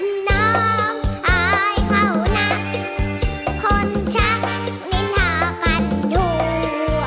น้องอายเขานักคนชักนินทากันอยู่